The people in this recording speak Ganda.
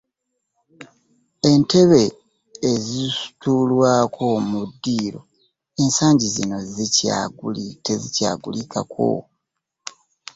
Entebe ezituulwako mu ddiiro ensangi zino tezikyagulikako!